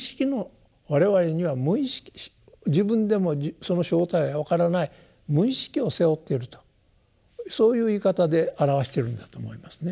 我々には無意識自分でもその正体は分からない無意識を背負ってるとそういう言い方で表してるんだと思いますね。